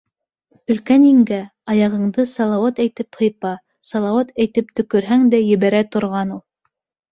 — Өлкән еңгә, аяғыңды салауат әйтеп һыйпа, салауат әйтеп төкөрһәң дә ебәрә торған ул.